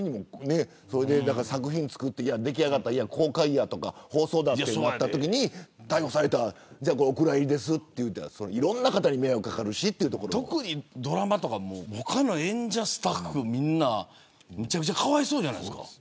作品を作って出来上がった公開やとか放送だ、というタイミングで逮捕されてお蔵入りとなるといろんな方に迷惑がかか特にドラマとか他の演者とかスタッフみんなめちゃくちゃかわいそうじゃないですか。